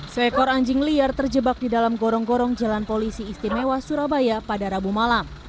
seekor anjing liar terjebak di dalam gorong gorong jalan polisi istimewa surabaya pada rabu malam